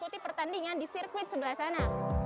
mengikuti pertandingan di sirkuit sebelah sana